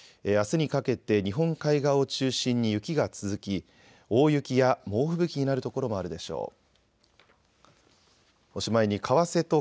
あすにかけて日本海側を中心に雪が続き大雪や猛吹雪になる所もあるでしょう。